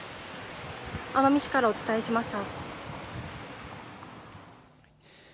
奄美市からお伝えしました。